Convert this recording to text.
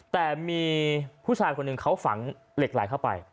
แต่มีผู้ชายคนหนึ่งเขาฝังเหล็กไหลเข้าไป